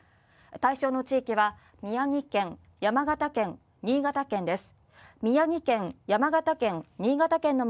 対象の地域は宮城県、山形県、新潟県です。